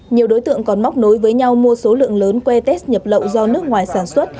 nhiều đối tượng còn móc nối với nhau mua số lượng lớn que test nhập lậu do nước ngoài sản xuất